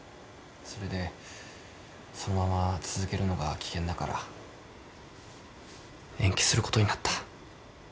それでそのまま続けるのが危険だから延期することになった。